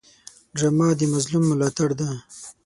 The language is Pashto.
ډرامه د مظلوم ملاتړ ده